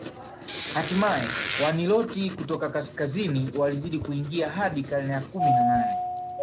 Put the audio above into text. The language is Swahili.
Hatimae Waniloti kutoka kaskazini walizidi kuingia hadi karne ya kumi na nane